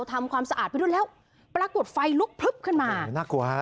ทำความสะอาดไปทุกทีแล้วปรากฏไฟลุกพลึกขึ้นมาน่ากลัว